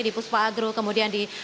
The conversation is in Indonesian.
di puspa agro kemudian di